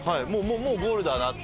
もうゴールだなって。